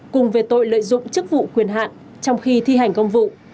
cùng về tội lợi dụng chức vụ quyền hạn trong khi thi hành công vụ